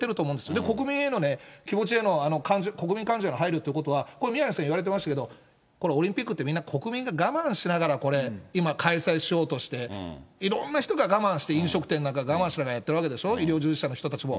で、国民への気持ちへの、国民感情への配慮ということは、これ、宮根さん言われてましたけど、オリンピックって、みんな国民が我慢しながらこれ、今、開催しようとして、いろんな人が我慢して、飲食店なんか我慢しながらやってるわけでしょ、医療従事者の人たちも。